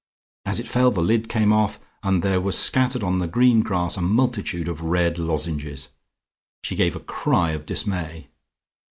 As it fell the lid came off, and there was scattered on the green grass a multitude of red lozenges. She gave a cry of dismay.